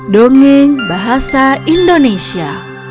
dongeng bahasa indonesia